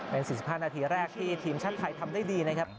เป็น๔๕นาทีแรกที่ทีมชาติไทยทำได้ดีนะครับ